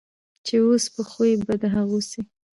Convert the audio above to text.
چي اوسې په خوی به د هغو سې